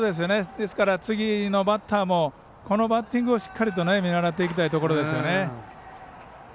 ですから、次のバッターもこのバッティングをしっかりと見習っていきたいところですよね。